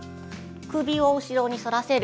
首を後ろに反らせる。